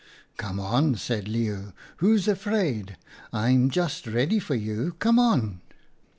"' Come on,' said Leeuw. * Who's afraid ? I'm just ready for you. Come on